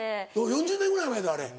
４０年ぐらい前やぞあれ。